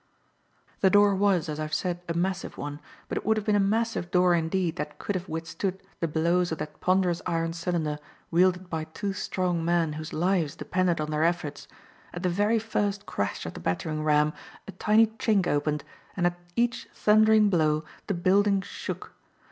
The door was, as I have said, a massive one, but it would have been a massive door indeed that could have withstood the blows of that ponderous iron cylinder, wielded by two strong men whose lives depended on their efforts. At the very first crash of the battering ram, a tiny chink opened and at each thundering blow, the building shook.